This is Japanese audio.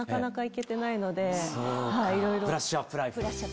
『ブラッシュアップライフ』。